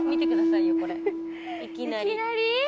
いきなり？